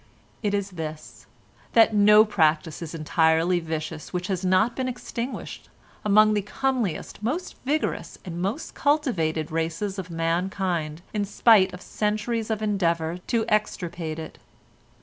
It is this, that no practice is entirely vicious which has not been extinguished among the comeliest, most vigorous, and most cultivated races of mankind in spite of centuries of endeavour to extirpate it.